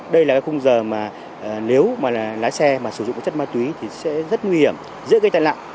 đây là khung giờ mà nếu lái xe mà sử dụng chất ma túy thì sẽ rất nguy hiểm giữa cây tại lặng